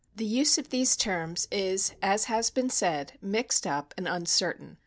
The use of these terms is, as has been said, mixed up and uncertain.